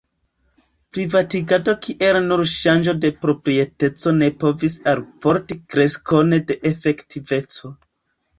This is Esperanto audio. Privatigado kiel nur ŝanĝo de proprieteco ne povis alporti kreskon de efektiveco.